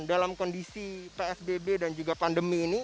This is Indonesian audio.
dalam kondisi psbb dan juga pandemi ini